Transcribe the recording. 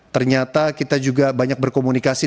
ternyata kita juga banyak berkomunikasi